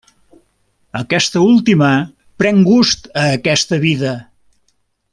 Aquesta última pren gust a aquesta vida.